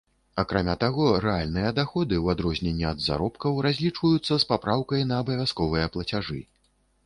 Акрамя таго, рэальныя даходы, у адрозненне ад заробкаў, разлічваюцца з папраўкай на абавязковыя плацяжы.